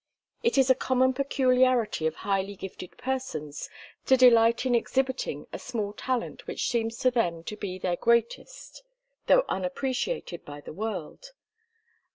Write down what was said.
It is a common peculiarity of highly gifted persons to delight in exhibiting a small talent which seems to them to be their greatest, though unappreciated by the world.